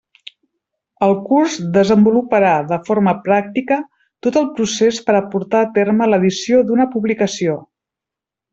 El curs desenvoluparà de forma pràctica tot el procés per a portar a terme l'edició d'una publicació.